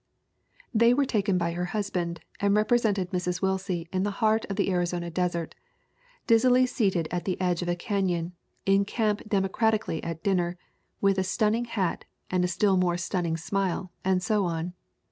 They were taken by her husband, and represented Mrs. Willsie in the heart of the Ari zona Desert ; dizzily seated at the edge of a canyon ; in |amp democratically at dinner, with a stunning hat and a still more stunning smile, and so on.